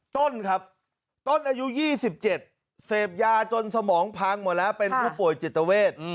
ต้นครับต้นอายุ๒๗เสพยาจนสมองพังหมดแล้วเป็นผู้ป่วยจิตเวท